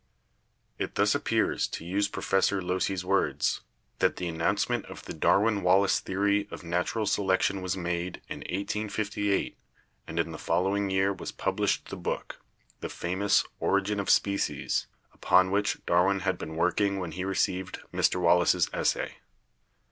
It thus appears, to use Professor Locy's words, "that the announcement of the Darwin Wallace theory of natu ral selection was made in 1858 and in the following year was published the book, the famous 'Origin of Species/ upon which Darwin had been working when he received Mr. Wallace's essay."